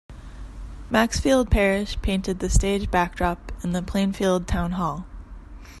Maxfield Parrish painted the stage backdrop in the Plainfield Town Hall.